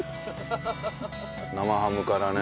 生ハムからね